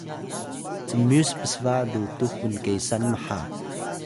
cmyus psba lutux bnkesan maha